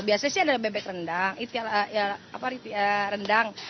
biasanya sih ada bebek rendang iti ala apa rendang